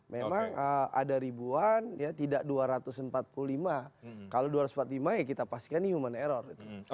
memang ada ribuan ya tidak dua ratus empat puluh lima kalau dua ratus empat puluh lima ya kita pastikan ini human error